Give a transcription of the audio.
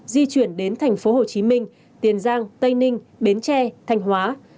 di chuyển đến thành phố hồ chí minh tiền giang tây ninh bến tre thanh hóa